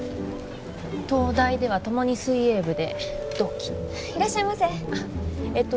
東大ではともに水泳部で同期いらっしゃいませあっえっと